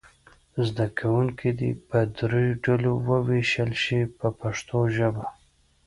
زده کوونکي دې په دریو ډلو وویشل شي په پښتو ژبه.